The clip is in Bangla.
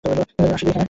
আসলেই, হ্যাঁ।